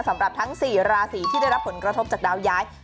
สำหรับทั้ง๔ราศีที่ได้รับผลกระทบจากดาวย้าย